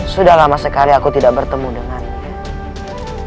sudah lama sekali aku tidak bertemu dengan dia